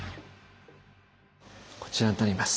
こちらになります。